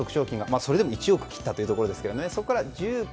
獲得賞金はそれでも１億切ったというところですが。